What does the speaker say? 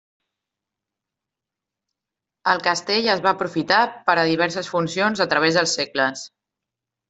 El Castell es va aprofitar per a diverses funcions a través dels segles.